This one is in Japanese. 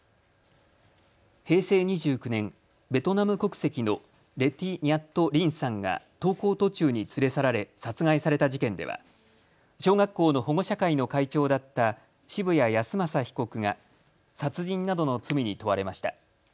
平成２９年、ベトナム国籍のレェ・ティ・ニャット・リンさんが登校途中に連れ去られ殺害された事件では小学校の保護者会の会長だった澁谷恭正被告が殺人などの罪に問われました。